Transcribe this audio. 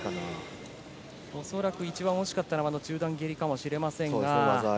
恐らく、一番惜しかったのがあの中段蹴りかもしれません。